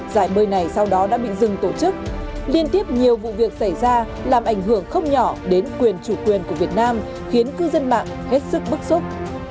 giải bơi này sau đó đã bị dừng tổ chức liên tiếp nhiều vụ việc xảy ra làm ảnh hưởng không nhỏ đến quyền chủ quyền của việt nam khiến cư dân mạng hết sức bức xúc